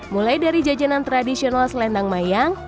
mulai dari jajanan tradisional selendang mayang